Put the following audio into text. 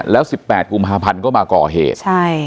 แล้ว๑๘กุมภาพันธ์ก็มาก่อเหตุ